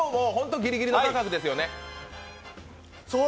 ギリギリの価格です。